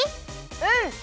うん！